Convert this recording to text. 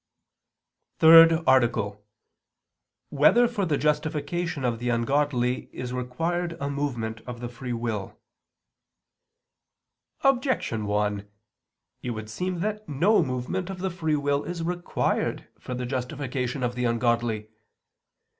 ________________________ THIRD ARTICLE [I II, Q. 113, Art. 3] Whether for the Justification of the Ungodly Is Required a Movement of the Free will? Objection 1: It would seem that no movement of the free will is required for the justification of the ungodly.